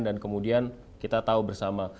dan kemudian kita tahu bersama